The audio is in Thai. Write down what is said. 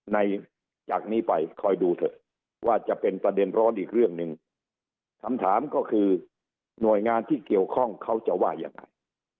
จากนี้ไปคอยดูเถอะว่าจะเป็นประเด็นร้อนอีกเรื่องหนึ่งคำถามก็คือหน่วยงานที่เกี่ยวข้องเขาจะว่ายังไง